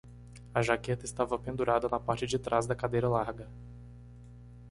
A jaqueta estava pendurada na parte de trás da cadeira larga.